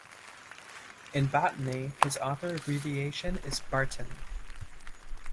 In botany, his author abbreviation is Barton.